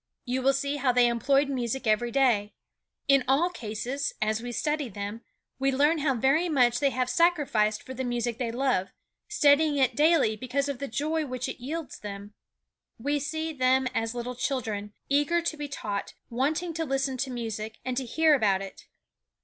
You will see how they employed music every day. In all cases, as we study them, we learn how very much they have sacrificed for the music they love, studying it daily because of the joy which it yields them. We see them as little children, eager to be taught, wanting to listen to music, and to hear about it.